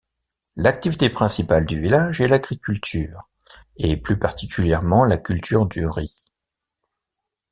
L'activité principale du village est l'agriculture et plus particulièrement la culture du riz.